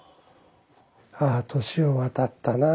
「ああ年を渡ったなあ。